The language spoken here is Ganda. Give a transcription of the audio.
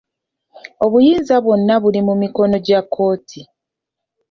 Obuyinza bwonna buli mu mikono gya kkooti.